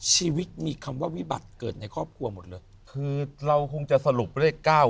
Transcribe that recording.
ชีวิตมีคำว่าวิบัติเกิดในครอบครัวหมดเลยคือเราคงจะสรุปเลขเก้า